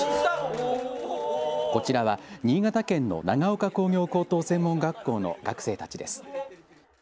こちらは新潟県の長岡工業高等専門学校の学生たちです。